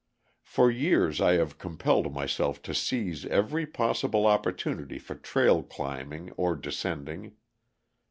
For years I have compelled myself to seize every possible opportunity for trail climbing or descending.